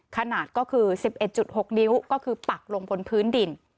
ขนาดก็คือ๑๑๖นิ้วก็คือปักลงบนพื้นดิน